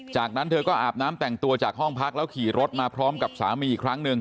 จากนั้นเธอก็อาบน้ำแต่งตัวจากห้องพักแล้วขี่รถมาพร้อมกับสามีอีกครั้งหนึ่ง